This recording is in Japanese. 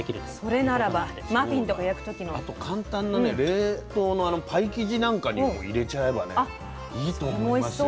それならばマフィンとか焼く時の。そうかあと簡単なね冷凍のパイ生地なんかにも入れちゃえばねいいと思いますよ。